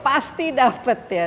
pasti dapat ya